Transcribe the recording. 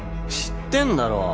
知ってんだろ？